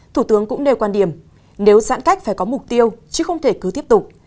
thủ tướng cũng nêu quan điểm nếu giãn cách phải có mục tiêu chứ không thể cứ tiếp tục